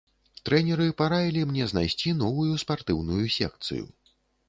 Трэнеры параілі мне знайсці новую спартыўную секцыю.